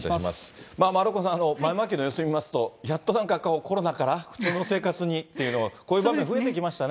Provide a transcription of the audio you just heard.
丸岡さん、豆まきの様子見ますと、やっとなんかコロナから普通の生活にっていうの、こういう場面増えてきましたね。